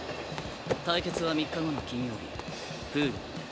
対決は３日後の金曜日プールにて。